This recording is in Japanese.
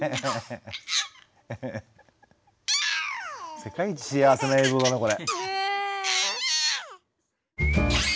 世界一幸せな映像だなこれ。